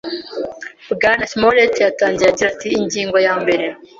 Bwana Smollett yatangiye agira ati: “Ingingo ya mbere.